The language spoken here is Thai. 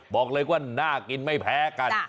บอกว่าน่ากินไม่แพ้กัน